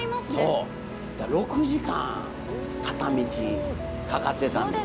そう６時間片道かかってたんです。